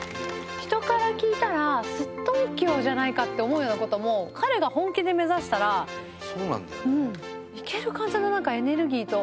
人から聞いたらすっとんきょうじゃないかって思うような事も彼が本気で目指したらいける感じのエネルギーと。